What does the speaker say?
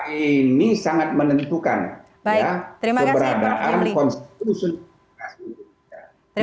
maka ini sangat menentukan keberadaan konstitusi